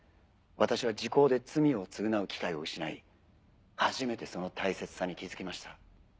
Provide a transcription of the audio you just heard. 私は時効で罪を償う機会を失い初めてその大切さに気付きました。